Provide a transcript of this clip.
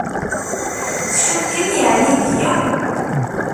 Tcukkem yeɛni deg-i?